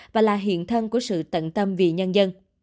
và là hiện thân của sự tận tâm vì nhân dân